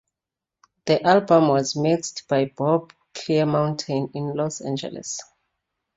The album was mixed by Bob Clearmountain in Los Angeles.